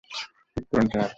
চুপ করুন, স্যার!